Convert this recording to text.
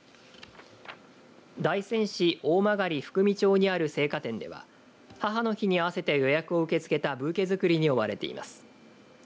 大仙市大曲福見町にある生花店では母の日に合わせて予約を受け付けたブーケづくりに追われています。